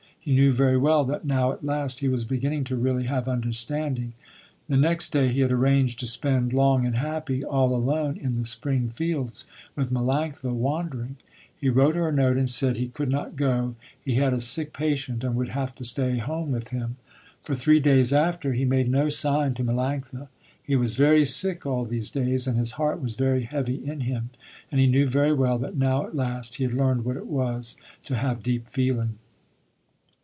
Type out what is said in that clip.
He knew very well that now at last he was beginning to really have understanding. The next day he had arranged to spend, long and happy, all alone in the spring fields with Melanctha, wandering. He wrote her a note and said he could not go, he had a sick patient and would have to stay home with him. For three days after, he made no sign to Melanctha. He was very sick all these days, and his heart was very heavy in him, and he knew very well that now at last he had learned what it was to have deep feeling.